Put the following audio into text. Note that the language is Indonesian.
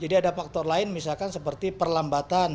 jadi ada faktor lain misalkan seperti perlambatan